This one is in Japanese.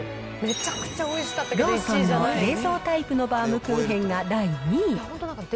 ローソンの冷蔵タイプのバウムクーヘンが第２位。